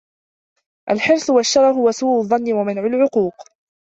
الْحِرْصُ وَالشَّرَهُ وَسُوءُ الظَّنِّ وَمَنْعُ الْحُقُوقِ